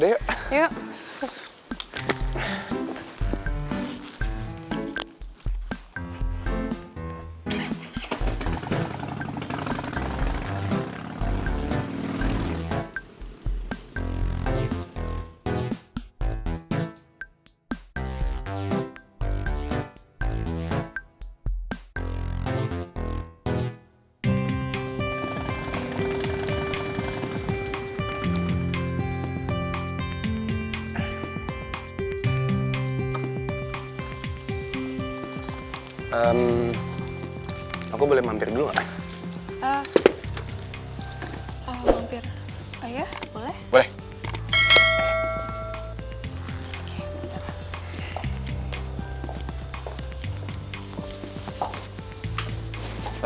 iya bentar ya